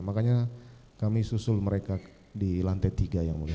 makanya kami susul mereka di lantai tiga yang mulia